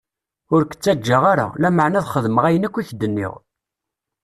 Ur k-ttaǧǧaɣ ara, lameɛna ad xedmeɣ ayen akk i k-d-nniɣ.